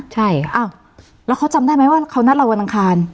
ใช่อ้าวแล้วเขาจำได้ไหมว่าเขานัดเราวันอังคาร